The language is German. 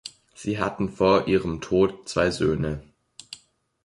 Sie hatten vor ihrem Tod zwei Söhne.